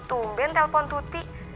tumben telpon tuti